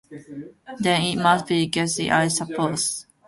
Then it must be Gussie, I suppose.